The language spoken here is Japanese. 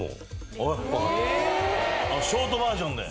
ショートバージョンで？